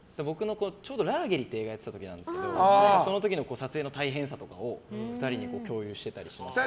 「ラーゲリ」っていう映画をやってた時だったんですけどその時の撮影の大変さとかを２人に共有してたりしました。